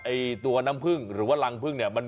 ตัวน้ำพึ่งหรือว่ารังพึ่งเนี่ย